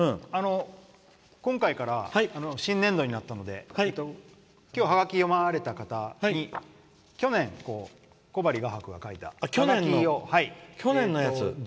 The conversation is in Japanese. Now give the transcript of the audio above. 今回から新年度になったので今日、ハガキ読まれた方に去年、小針画伯が描いたハガキを。